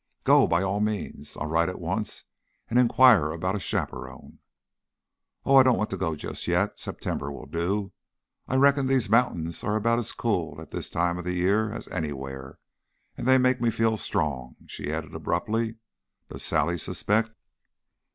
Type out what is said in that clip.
"Go, by all means. I'll write at once and inquire about a chaperon " "Oh, I don't want to go just yet. September will do. I reckon these mountains are about as cool at this time of the year as anywhere, and they make me feel strong." She added abruptly: "Does Sally suspect?"